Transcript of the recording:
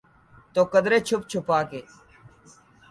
تو قدرے چھپ چھپا کے۔